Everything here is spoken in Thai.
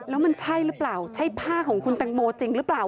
แล้วมันใช่หรือเปล่าใช่ผ้าของคุณแตงโมจริงหรือเปล่า